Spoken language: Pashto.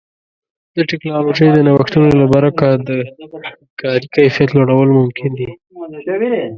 د ټکنالوژۍ د نوښتونو له برکه د کاري کیفیت لوړول ممکن دي.